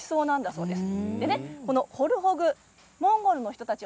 そうです。